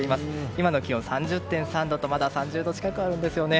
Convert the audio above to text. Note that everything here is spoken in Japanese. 今の気温３０．３度とまだ３０度近くあるんですね。